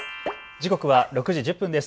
時刻は６時１０分です。